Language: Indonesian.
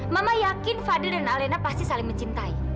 mama yakin fadil dan alena pasti saling mencintai